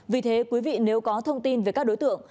vì thế quý vị nếu có thông tin về các đối tượng